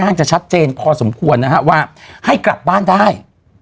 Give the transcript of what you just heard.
จะชัดเจนพอสมควรนะฮะว่าให้กลับบ้านได้